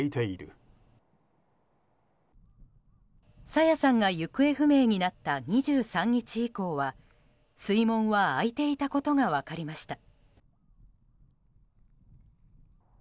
朝芽さんが行方不明になった２３日以降は水門が開いていたことが分かりました。